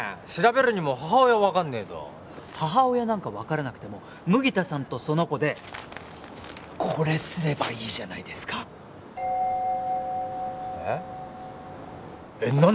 調べるにも母親分かんねえと母親なんか分からなくても麦田さんとその子でこれすればいいじゃないですかえっ？